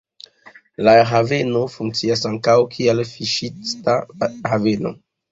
La haveno funkcias ankaŭ, kiel fiŝista haveno.